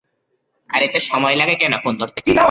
আর এতো সময় লাগে কেনো ফোন ধরতে?